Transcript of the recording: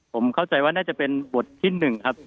ผมเข้าใจว่าน่าจะเป็นบทที่๑ครับ